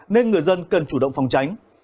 nên người dân cần chủ động phòng tránh